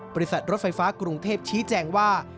บริษัทรถไฟฟ้ากรุงเทพชี้แจงว่า